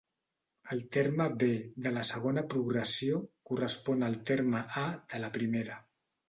El terme be de la segona progressió correspon al terme a de la primera.